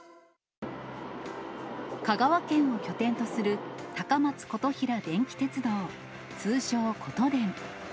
香川県を拠点とする、高松琴平電気鉄道、通称ことでん。